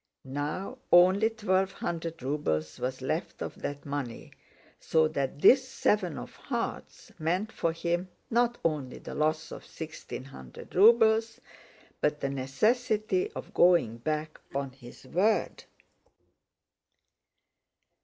Now only twelve hundred rubles was left of that money, so that this seven of hearts meant for him not only the loss of sixteen hundred rubles, but the necessity of going back on his word.